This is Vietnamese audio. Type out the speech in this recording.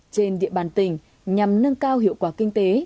trên địa bàn tỉnh nhằm nâng cao hiệu quả kinh tế